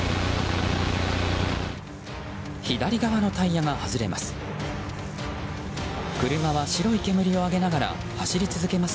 左側のタイヤが外れます。